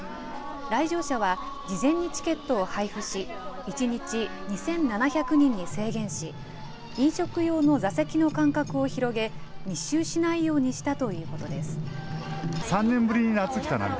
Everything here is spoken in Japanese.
来場者は、事前にチケットを配布し、１日２７００人に制限し、飲食用の座席の間隔を広げ、密集しないようにしたということです。